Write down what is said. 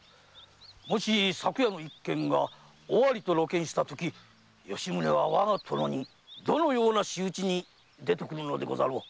もし昨夜の一件が尾張と露見したとき吉宗は我が殿にどのような仕打ちに出てくるでござろう？